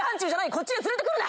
こっちに連れて来るな！